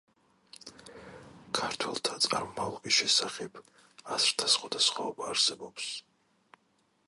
ქართველთა წარმომავლობის შესახებ აზრთა სხვადასხვაობა არსებობს.